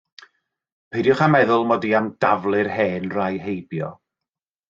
Peidiwch â meddwl mod i am daflu'r hen rai heibio.